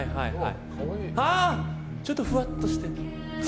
ちょっとふわっとして、髪。